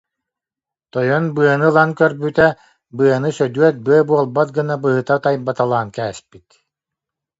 Тойон быаны ылан көрбүтэ, быаны Сөдүөт быа буолбат гына быһыта тайбаталаан кээспит